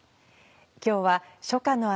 今日は初夏の味